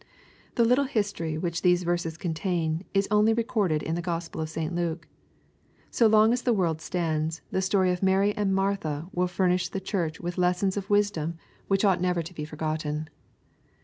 The little history which these verses contain, is only recorded in the Gospel of St. Luke. So long as the world stands, the story of Mary and Martha will fur nish the Church with lessons of wisdom which ought \ 384 EXP06IT0BT THOUGHTS. never to be forgotten.